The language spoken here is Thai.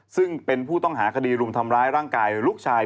ซึ่งเป็นผู้ต้องหาคดีรุมทำร้ายร่างกายลูกชาย